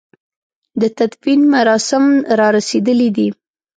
د تدفين مراسم را رسېدلي دي.